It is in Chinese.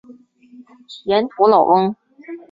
盐土老翁。